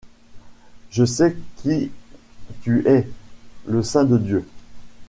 Je sais qui tu es: le Saint de Dieu.